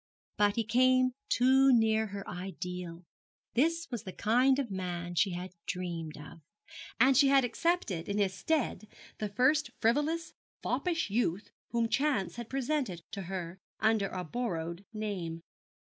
But he came too near her ideal. This was the kind of man she had dreamed of, and she had accepted in his stead the first frivolous, foppish youth whom chance had presented to her, under a borrowed name.